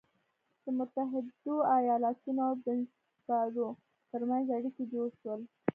د متحدو ایالتونو او بنسټپالو تر منځ اړیکي جوړ شول.